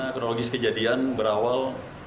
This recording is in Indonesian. ekonologis kejadian berawal